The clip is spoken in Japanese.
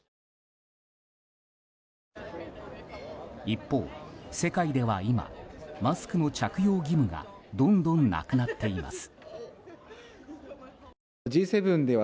一方、世界では今マスクの着用義務がどんどんなくなっています。